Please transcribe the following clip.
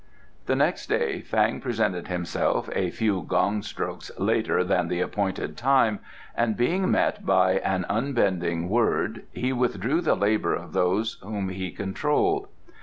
The next day Fang presented himself a few gong strokes later than the appointed time, and being met by an unbending word he withdrew the labour of those whom he controlled.